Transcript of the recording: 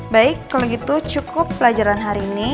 baik kalau gitu cukup pelajaran hari ini